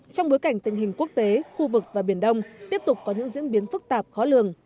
trong bối cảnh tình hình quốc tế khu vực và biển đông tiếp tục có những diễn biến phức tạp khó lường